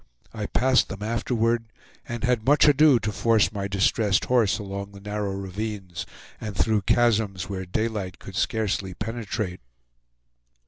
I passed them afterward, and had much ado to force my distressed horse along the narrow ravines, and through chasms where daylight could scarcely penetrate.